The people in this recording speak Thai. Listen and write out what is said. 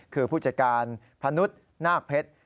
คือผู้จัดการพนุษย์นาคเพชร